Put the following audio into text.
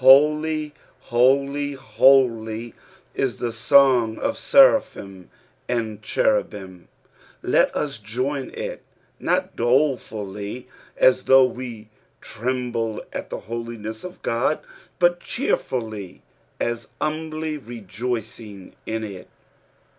>■ Holy, holy, holy I" is the song of seraphim and cherubim ; let us join it — not dolefully, as though we trembled at the holiness of Ood, but cheerfully, as humbly rejoicing in it.